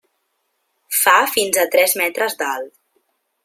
Fa fins a tres metres d'alt.